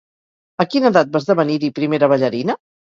A quina edat va esdevenir-hi primera ballarina?